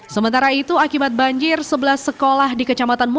sementara itu akibat banjir sebelas sekolah di kecamatan mu